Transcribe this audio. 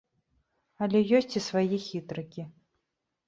Але ёсць і свае хітрыкі.